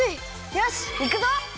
よしいくぞ！